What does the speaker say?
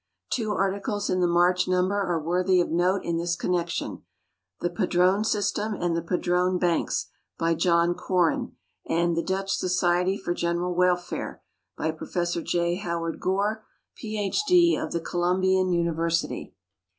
Two articles in the March numVjer are worthy of note in thin connection: The Padrone System and Padrone Banks, by Jolin Koren, and The Dutch Society for General Welfare, I)y Prof. J. Howard (Jore. Ph. D., of the Columbian University.